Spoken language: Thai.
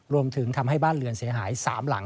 รวมถึงทำให้บ้านเรือนเสียหาย๓หลัง